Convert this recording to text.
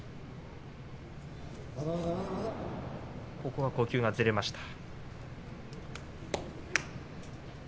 ここは呼吸がずれました。